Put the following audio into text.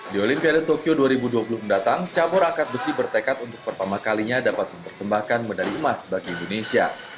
di olimpiade tokyo dua ribu dua puluh mendatang cabur angkat besi bertekad untuk pertama kalinya dapat mempersembahkan medali emas bagi indonesia